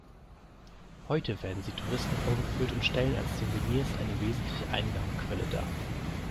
Heute werden sie Touristen vorgeführt und stellen als Souvenirs eine wesentliche Einnahmequelle dar.